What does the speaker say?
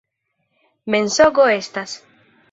Mensogo estas!